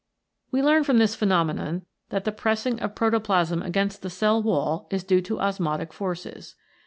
We learn from this phenomenon that the pressing of protoplasm against the cell wall is due to osmotic forces.